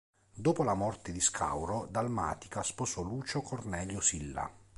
Dopo la morte di Scauro, Dalmatica sposò Lucio Cornelio Silla.